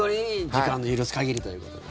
時間の許す限りということで。